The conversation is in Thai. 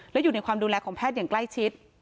และอยู่ในความดูแลของแพทย์อย่างใกล้ชิด